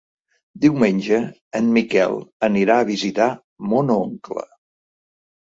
Diumenge en Miquel anirà a visitar mon oncle.